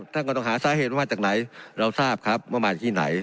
ท่านก็ต้องหาสาเหตุว่ามาจากไหนเราทราบครับว่ามาจากที่ไหน